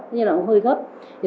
nhưng nó cũng hơi gấp